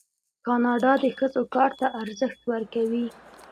کاناډا د ښځو کار ته ارزښت ورکوي.